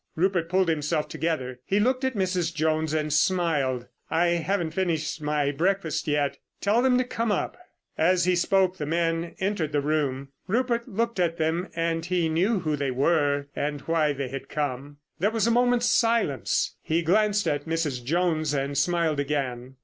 Rupert pulled himself together. He looked at Mrs. Jones and smiled. "I haven't finished my breakfast yet. Tell them to come up." As he spoke the men entered the room. Rupert looked at them, and he knew who they were and why they had come. There was a moment's silence. He glanced at Mrs. Jones and smiled again.